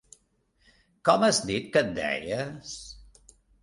Com has dit que et deies?